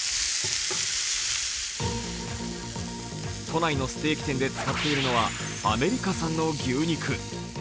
都内のステーキ店で使っているのはアメリカ産の牛肉。